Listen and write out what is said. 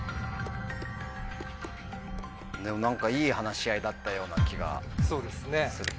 でも何かいい話し合いだったような気がするけど。